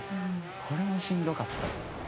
これもしんどかったですね。